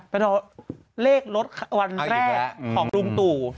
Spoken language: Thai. เลขรถวันแรกของลุงตู่